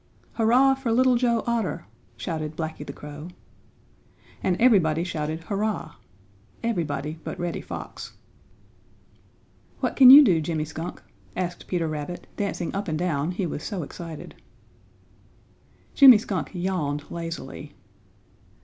"Hurrah for Little Joe Otter!" shouted Blacky the Crow. And everybody shouted "Hurrah!" Everybody but Reddy Fox. "What can you do, Jimmy Skunk?" asked Peter Rabbit, dancing up and down, he was so excited. Jimmy Skunk yawned lazily.